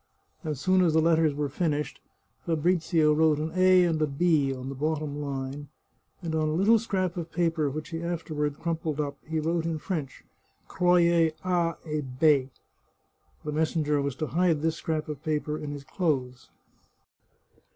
As soon as the letters were finished, Fabrizio wrote an A and a B on the bottom line, and on a little scrap of paper which he afterward crumpled up, he wrote in French, " Croyez A et B." The messenger was to hide this scrap of paper in his clothes.